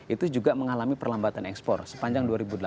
itu juga mengalami perlambatan ekspor sepanjang dua ribu delapan belas